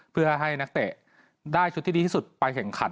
เพื่อให้นักเตะได้ชุดที่ดีที่สุดไปแข่งขัน